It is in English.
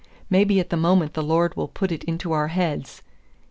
"Maybe at the moment the Lord will put it into our heads."